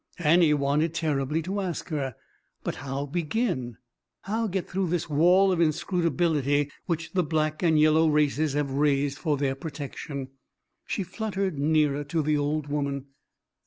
Annie wanted terribly to ask her. But how begin? How get through this wall of inscrutability which the black and yellow races have raised for their protection? She fluttered nearer to the old woman.